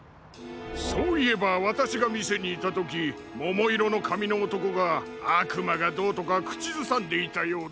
そういえばわたしがみせにいたときももいろのかみのおとこがあくまがどうとかくちずさんでいたような。